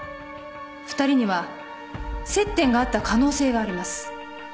２人には接点があった可能性があります。